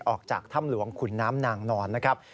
ออกจากถ้ำหลวงขุนน้ำนางนอนนะครับ